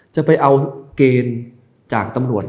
จะเอาเกณฑ์จากตำรวจ